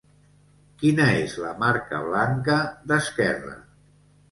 Quina és la marca blanca d'Esquerra?